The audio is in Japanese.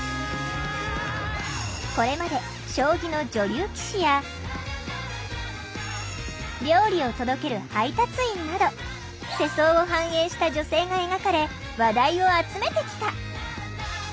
これまで将棋の女流棋士や料理を届ける配達員など世相を反映した女性が描かれ話題を集めてきた。